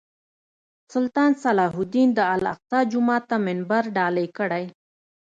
سلطان صلاح الدین د الاقصی جومات ته منبر ډالۍ کړی.